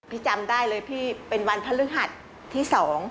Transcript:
จำได้เลยพี่เป็นวันพระฤหัสที่๒